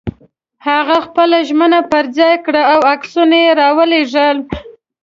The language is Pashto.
هغه خپله ژمنه پر ځای کړه او عکسونه یې را ولېږل.